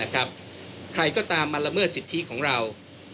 ใครก็ตามมาละเมิดสิทธิของเรา